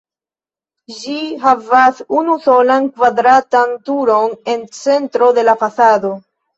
Ĝi havas unusolan kvadratan turon en centro de la fasado.